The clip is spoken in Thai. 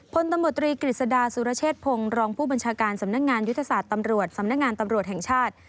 พลตำรวจตรีกฤษดาสุรเชษพงศ์รองผู้บัญชาการสำนักงานยุทธศาสตร์ตำรวจสำนักงานตำรวจแห่งชาติ